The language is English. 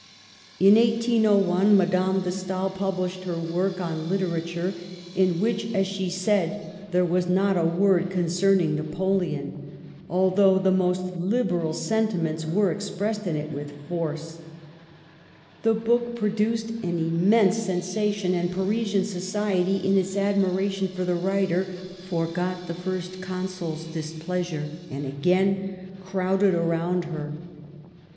In 1801 Madame de Stael published her work on Literature, in which, as she says, there was not a word concerning Napoleon, although " the most liberal sentiments were expressed in it with force." The book produced an immense sensa Digitized by VjOOQLC MEETS NAPOLEON. 105 tion ; and Parisian society, in its admiration for the writer, forgot the First Consul's displeasure, and again crowded round her.